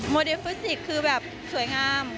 เดฟิสิกส์คือแบบสวยงาม